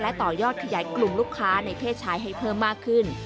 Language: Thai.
ต่อยอดขยายกลุ่มลูกค้าในเพศชายให้เพิ่มมากขึ้น